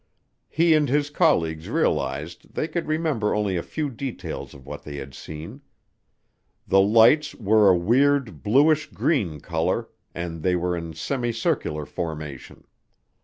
He and his colleagues realized they could remember only a few details of what they had seen. The lights were a weird bluish green color and they were in a semicircular formation.